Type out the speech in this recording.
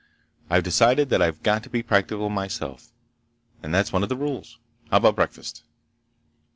I've decided that I've got to be practical myself, and that's one of the rules. How about breakfast?"